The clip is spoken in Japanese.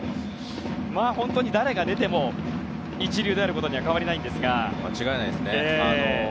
本当に誰が出ても一流であることには間違いないですね。